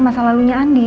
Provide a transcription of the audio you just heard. masalah lalunya andin